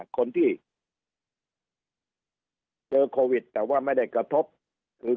คนที่เจอโควิดแต่ว่าไม่ได้กระทบคือ